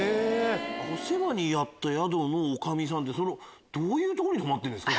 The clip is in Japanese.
お世話になった宿の女将さんってどういうとこに泊まってんすか？